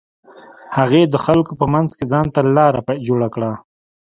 هغې د خلکو په منځ کښې ځان ته لاره جوړه کړه.